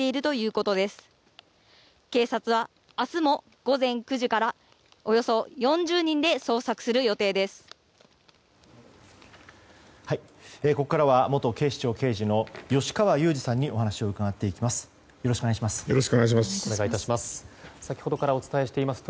ここからは元警視庁刑事の吉川祐二さんにお話を伺っていきます。